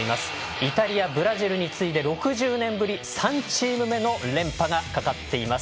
イタリア、ブラジルに次いで６０年ぶり３チーム目の連覇がかかっています。